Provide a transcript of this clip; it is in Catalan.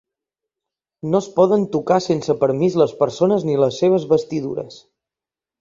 No es poden tocar sense permís les persones ni les seves vestidures.